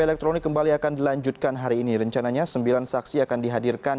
elektronik kembali akan dilanjutkan hari ini rencananya sembilan saksi akan dihadirkan